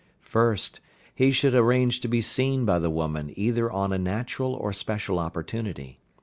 1st. He should arrange to be seen by the woman either on a natural or special opportunity.